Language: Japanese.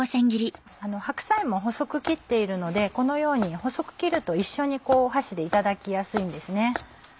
白菜も細く切っているのでこのように細く切ると一緒に箸でいただきやすいんですね。